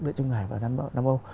trung hải và nam âu